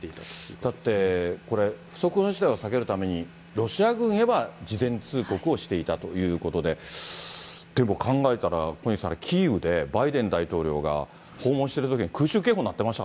だってこれ、不測の事態を避けるために、ロシア軍へは事前通告をしていたということで、でも考えたら、小西さん、キーウでバイデン大統領が訪問してるときに空襲警報鳴ってました